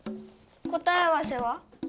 答え合わせは？